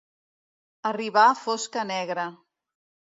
Arribar fosca negra.